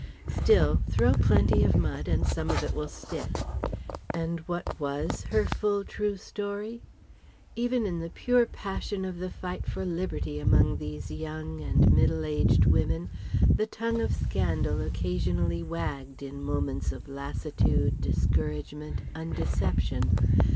Still ... throw plenty of mud and some of it will stick.... And what was her full, true story? Even in the pure passion of the fight for liberty among these young and middle aged women, the tongue of scandal occasionally wagged in moments of lassitude, discouragement, undeception.